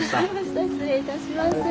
失礼いたします。